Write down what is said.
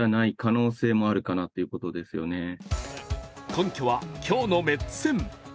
根拠は、今日のメッツ戦。